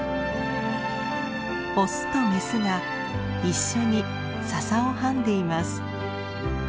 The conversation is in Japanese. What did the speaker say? オスとメスが一緒にササをはんでいます。